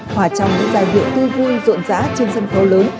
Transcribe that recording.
hòa trong các giai điệu tư vui ruộn rã trên sân khấu lớn